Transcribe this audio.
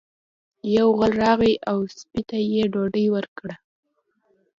یو غل راغی او سپي ته یې ډوډۍ ورکړه.